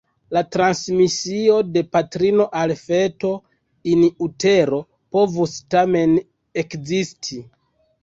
La transmisio de patrino al feto "in utero" povus tamen ekzisti.